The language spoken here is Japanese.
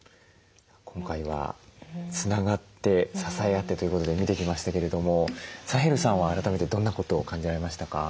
今回は「つながって支えあって」ということで見てきましたけれどもサヘルさんは改めてどんなことを感じられましたか？